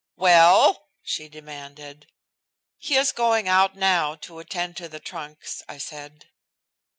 "Well!" she demanded. "He is going out now to attend to the trunks," I said.